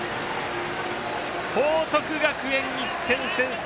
報徳学園、１点先制。